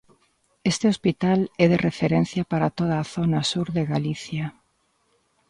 Este hospital é de referencia para toda a zona sur de Galicia.